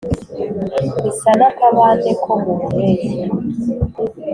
isa n'akabande ko mu mpeshyi